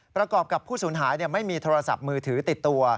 ประกอบกับผู้สูญหายไม่มีโทรศัพท์มือถือติดตัว